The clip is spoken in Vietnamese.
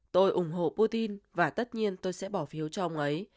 tôi ủng hộ putin và tất nhiên tôi sẽ bỏ phiếu cho ông ấy